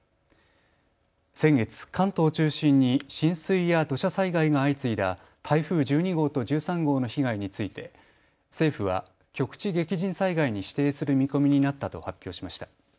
先月、関東を中心に浸水や土砂災害が相次いだ台風１２号と１３号の被害について政府は局地激甚災害に指定する見込みになったと発表しました。